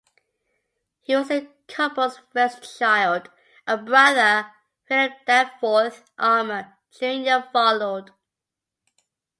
He was the couple's first child; a brother, Philip Danforth Armour, Junior followed.